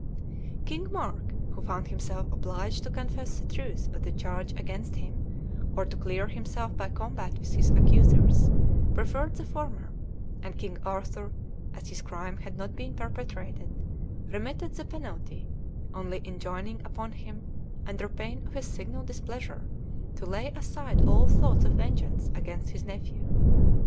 King Mark, who found himself obliged to confess the truth of the charge against him, or to clear himself by combat with his accusers, preferred the former, and King Arthur, as his crime had not been perpetrated, remitted the penalty, only enjoining upon him, under pain of his signal displeasure, to lay aside all thoughts of vengeance against his nephew.